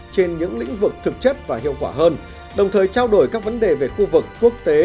trên những lĩnh vực thực chất và hiệu quả hơn đồng thời trao đổi các vấn đề về khu vực quốc tế